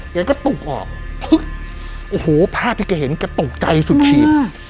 แกก็ตุกออกโอ้โหผ้าที่แกเห็นก็ตุกใจสุดขีดมาก